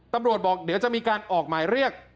ตำรวจบอกเดี๋ยวจะมีการออกหมายเรียก